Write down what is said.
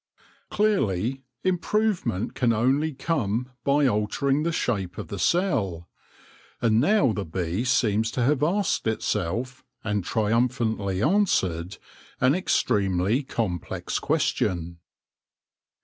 Clearly, improvement can only come by altering the shape of the cell ; and now the bee seems to have asked herself — and triumphantly an swered — an extremely complex question.